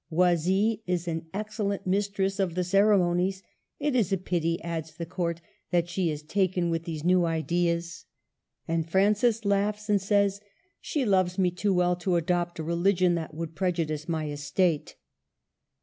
Oi sille is an excellent mistress of the ceremonies ; it is a pity, adds the Court, that she is taken with these new ideas. And Francis laughs, and says, '' She loves me too well to adopt a religion that would prejudice my estate